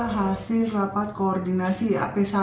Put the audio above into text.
hasil rapat koordinasi ap satu